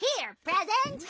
プレゼント！